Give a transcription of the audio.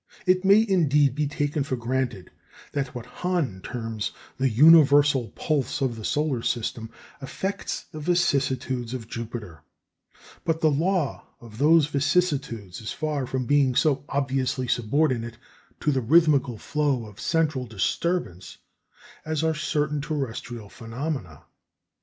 It may, indeed, be taken for granted that what Hahn terms the universal pulse of the solar system affects the vicissitudes of Jupiter; but the law of those vicissitudes is far from being so obviously subordinate to the rhythmical flow of central disturbance as are certain terrestrial phenomena.